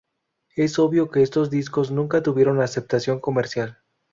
Es obvio que estos discos nunca tuvieron aceptación comercial.